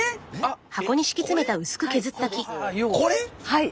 はい！